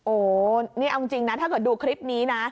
โอ้โหนี่เอาจริงนะถ้าเกิดดูคลิปนี้นะ